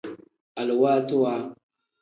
Aluwaatiwa.